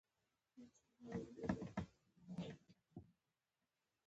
زنګ وهلي یې ځینځیر پر شرنګ یې شپې دي